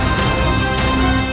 aku akan menang